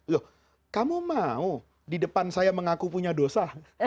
loh kamu mau di depan saya mengaku punya dosa